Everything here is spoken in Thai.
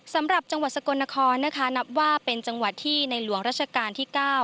สำหรับจังหวัดสกลนครนะคะนับว่าเป็นจังหวัดที่ในหลวงราชการที่๙